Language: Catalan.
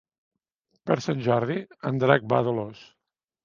Per Sant Jordi en Drac va a Dolors.